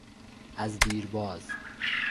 از دیرباز